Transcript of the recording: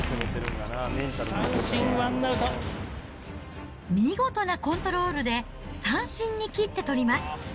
三振、みごとなコントロールで、三振に切って取ります。